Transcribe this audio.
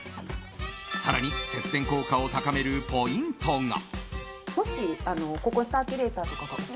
更に節電効果を高めるポイントが。